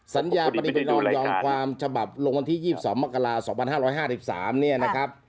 สัญญาปฏิบัติปริมาณยอมความฉบับลงที่๒๒มกราศาสตร์๒๕๕๓นี่นะครับ